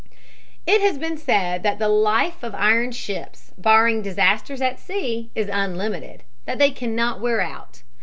It has been said that the life of iron ships, barring disasters at sea, is unlimited, that they cannot wear out.